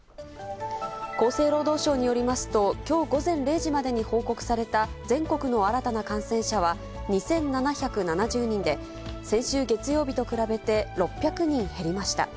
厚生労働省によりますと、きょう午前０時までに報告された全国の新たな感染者は２７７０人で、先週月曜日と比べて、６００人減りました。